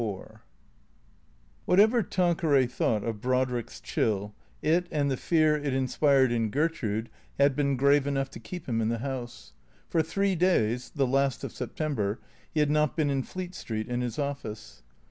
LXIV WHATEVEE Tanqueray thought of Brodrick's chill, it and the fear it inspired in Gertrude had been grave enough to keep him in the house. For three days (the last of September) he had not been in Fleet Street, in his office.